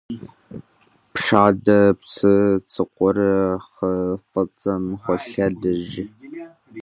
Пшадэ псы цӏыкӏур хы ФӀыцӀэм холъэдэж.